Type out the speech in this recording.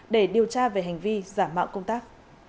để điều tra về hành vi giả mạo công tác